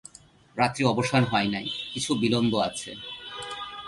রাত্রি অবসান হয় নাই, কিছু বিলম্ব আছে।